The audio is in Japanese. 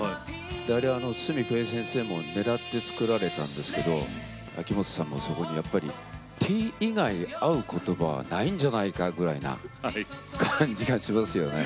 あれは筒美京平先生もねらって作られたんですけど秋元さんもそこにやっぱりティー以外合う言葉はないんじゃないかぐらいな感じがしますね。